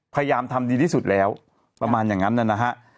พยายามทำดีที่สุดแล้วประมาณอย่างนั้นนะฮะ